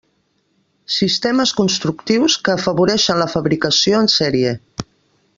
Sistemes constructius que afavoreixen la fabricació en sèrie.